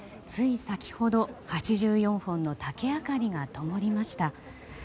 つい先ほど８４本の竹あかりがともりました。